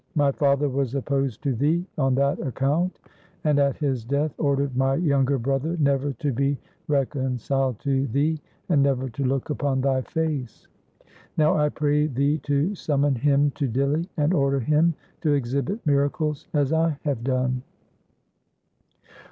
My father was opposed to thee on that account, and at his death ordered my younger brother never to be reconciled to thee and never to look upon thy face. Now I pray thee to summon him to Dinli, and order him to exhibit miracles as I have done.'